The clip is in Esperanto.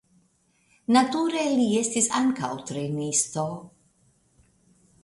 Nature li estis ankaŭ trejnisto.